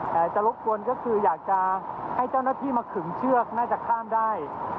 แต่จะรบกวนก็คืออยากจะให้เจ้าหน้าที่มาขึงเชือกน่าจะข้ามได้